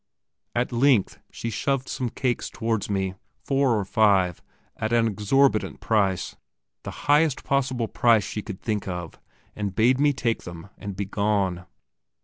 At length she shoved some cakes towards me, four or five, at an exorbitant price, the highest possible price she could think of, and bade me take them and begone.